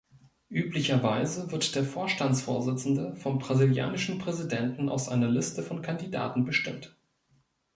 Üblicherweise wird der Vorstandsvorsitzende vom brasilianischen Präsidenten aus einer Liste von Kandidaten bestimmt.